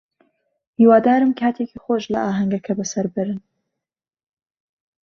هیوادارم کاتێکی خۆش لە ئاهەنگەکە بەسەر بەرن.